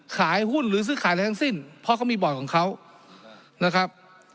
ขายหุ้นหรือซื้อขายอะไรทั้งสิ้นเพราะเขามีบอร์ดของเขานะครับ